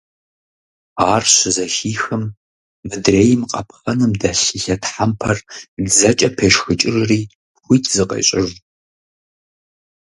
Ар щызэхихым, мыдрейм къапхъэным дэлъ и лъэтхьэмпэр дзэкӀэ пешхыкӀыжри, хуит зыкъещӀыж.